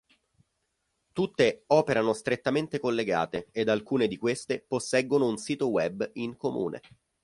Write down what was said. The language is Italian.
Tutte operano strettamente collegate ed alcune di queste posseggono un sito web in comune.